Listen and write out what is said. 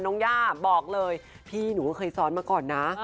ย่าบอกเลยพี่หนูก็เคยซ้อนมาก่อนนะ